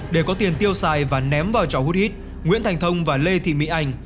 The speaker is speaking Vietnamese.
để có tiền tiêu xài và ném vào trò hút hít nguyễn thành thông và lê thị mỹ anh